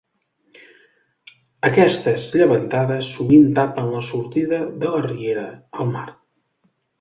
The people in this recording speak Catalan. Aquestes llevantades sovint tapen la sortida de la riera al mar.